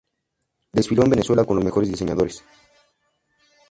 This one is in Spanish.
Desfiló en Venezuela con los mejores diseñadores.